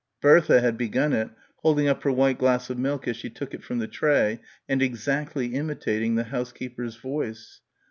Bertha had begun it, holding up her white glass of milk as she took it from the tray and exactly imitating the housekeeper's voice.